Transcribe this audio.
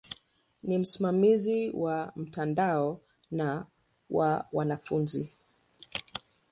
Ni msimamizi wa mtandao na wa wanafunzi.